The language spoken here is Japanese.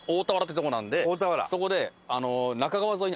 そこで。